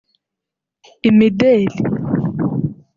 imideli